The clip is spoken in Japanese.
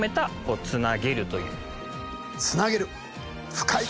深い！